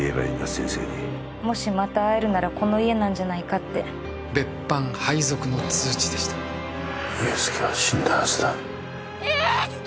先生にもしまた会えるならこの家なんじゃないかって別班配属の通知でした憂助は死んだはずだ憂助！